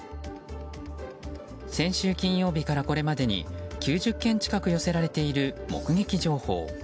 先週金曜日からこれまでに９０件近く寄せられている目撃情報。